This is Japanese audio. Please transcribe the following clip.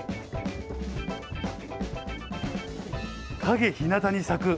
陰ひなたに咲く。